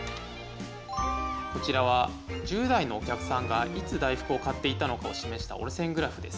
こちらは１０代のお客さんがいつ大福を買っていたのかを示した折れ線グラフです。